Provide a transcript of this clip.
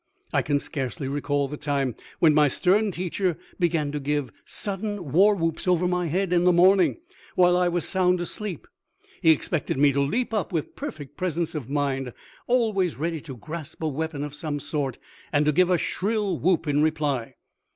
I can scarcely recall the time when my stern teacher began to give sudden war whoops over my head in the morning while I was sound asleep. He expected me to leap up with perfect presence of mind, always ready to grasp a weapon of some sort and to give a shrill whoop in reply.